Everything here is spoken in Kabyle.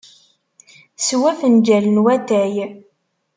Sew afenǧal n watay.